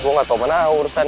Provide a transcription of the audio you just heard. gue gak tau mana urusan